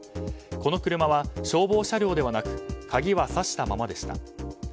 この車は消防車両ではなく鍵はさしたままでした。